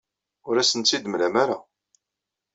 Ur asen-tt-id-temlam ara.